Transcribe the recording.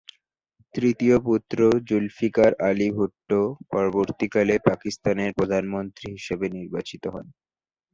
তৃতীয় পুত্র জুলফিকার আলী ভুট্টো পরবর্তীকালে পাকিস্তানের প্রধানমন্ত্রী হিসেবে নির্বাচিত হন।